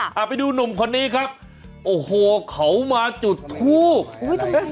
ค่ะอ่าไปดูหนุ่มคนนี้ครับโอ้โหเขามาจุดทูบอุ้ย